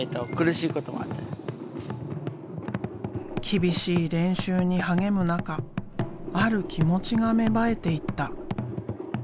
厳しい練習に励む中ある気持ちが芽生えていった。